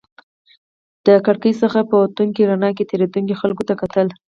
د کړکۍ څخه په وتونکې رڼا کې تېرېدونکو خلکو ته کتل.